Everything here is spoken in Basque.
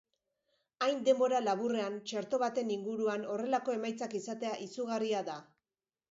Hain denbora laburrean, txerto baten inguruan horrelako emaitzak izatea izugarria da.